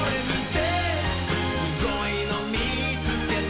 「すごいのみつけた」